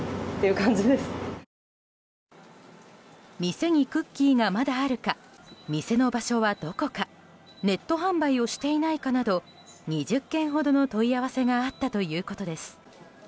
店にクッキーがまだあるか店の場所はどこかネット販売をしていないかなど２０件ほどの問い合わせがあったということです。